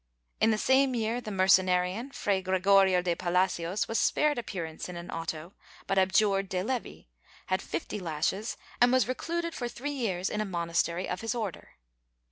In the same year the Mercenarian, Fray Gregorio de Palacios, was spared appearance in an auto, but abjured de levi, had fifty lashes and was recluded for three years in a monastery of his Order.